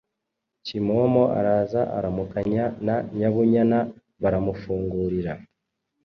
Kimomo araza aramukanya na Nyabunyana baramufungurira.